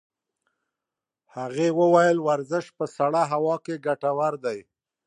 هغې وویل ورزش په سړه هوا کې ګټور دی.